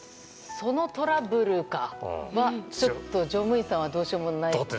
そのトラブルはちょっと乗務員さんはどうしようもない。